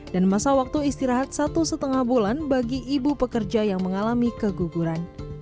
dan masa waktu istirahat satu lima bulan bagi ibu pekerja yang mengalami keguguran